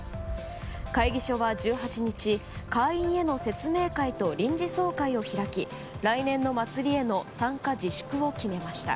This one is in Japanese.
会議所は１８日会員への説明会と臨時総会を開き来年の祭りへの参加自粛を決めました。